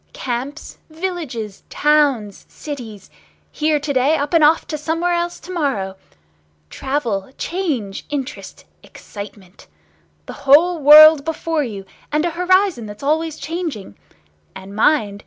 Camps, villages, towns, cities! Here to day, up and off to somewhere else to morrow! Travel, change, interest, excitement! The whole world before you, and a horizon that's always changing! And mind!